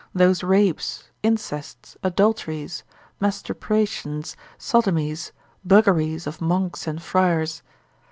those rapes, incests, adulteries, mastuprations, sodomies, buggeries of monks and friars.